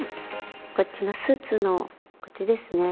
こっちのスーツの、こっちですね。